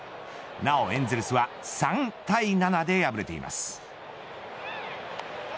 なおエンゼルスは３対７で敗れています。